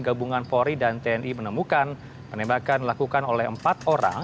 gabungan pori dan tni menemukan penembakan dilakukan oleh empat orang